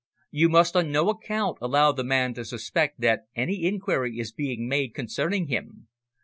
"You must on no account allow the man to suspect that any inquiry is being made concerning him.